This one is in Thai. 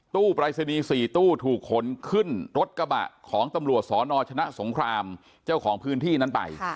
ปรายศนีย์๔ตู้ถูกขนขึ้นรถกระบะของตำรวจสนชนะสงครามเจ้าของพื้นที่นั้นไป